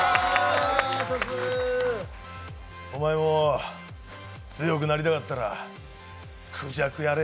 お前も、強くなりたかったらクジャクやれ。